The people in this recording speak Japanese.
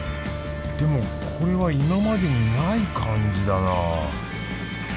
でもこれは今までにない感じだなぁ。